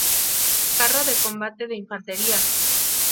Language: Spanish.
Carro de combate de infantería